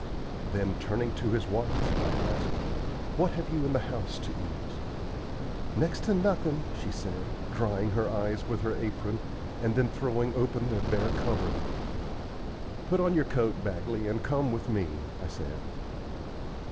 Then, turning to his wife, I asked, "What have you in the house to eat?" "Next to nothin'," she said, drying her eyes with her apron, and then throwing open their bare cupboard. "Put on your coat, Bagley, and come with me," I said.